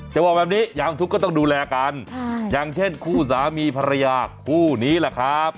บอกแบบนี้ยามทุกข์ก็ต้องดูแลกันอย่างเช่นคู่สามีภรรยาคู่นี้แหละครับ